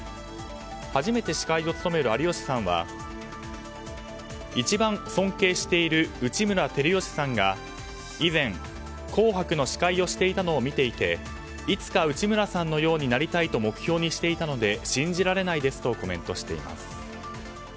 初めて司会を務める有吉さんは一番尊敬している内村光良さんが以前、「紅白」の司会をしていたのを見ていていつか内村さんのようになりたいと目標にしていたので信じられないですとコメントしています。